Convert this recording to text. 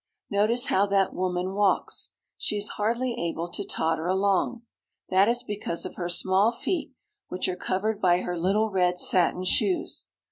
Notice how that woman walks. She is hardly able to totter along. That is because of her small feet, which are covered by her little red satin shoes.